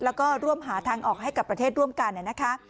แล้วก็ร่วมหาทางออกให้กับประเทศร่วมกันนะคะ